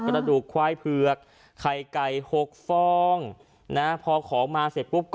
กระดูกควายเผือกไข่ไก่๖ฟองนะพอของมาเสร็จปุ๊บก็